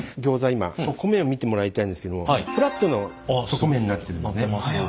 今底面を見てもらいたいんですけどもフラットな底面になってるんですよね。